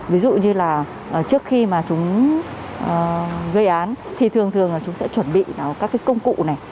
ví dụ như là trước khi mà chúng gây án thì thường thường là chúng sẽ chuẩn bị các cái công cụ này